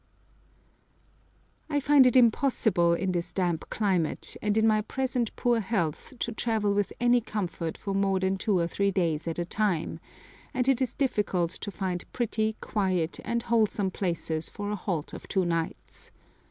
I find it impossible in this damp climate, and in my present poor health, to travel with any comfort for more than two or three days at a time, and it is difficult to find pretty, quiet, and wholesome places for a halt of two nights.